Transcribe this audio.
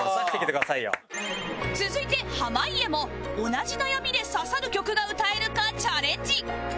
続いて濱家も同じ悩みで刺さる曲が歌えるかチャレンジ